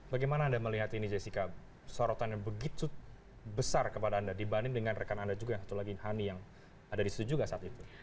bagaimana anda melihat ini jessica sorotan yang begitu besar kepada anda dibanding dengan rekan anda juga yang satu lagi hani yang ada di situ juga saat itu